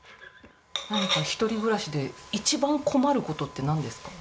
一人暮らしで一番困ることってなんですか？